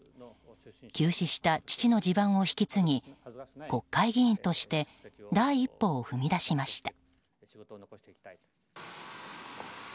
急死した父の地盤を引き継ぎ国会議員として第一歩を踏み出しました。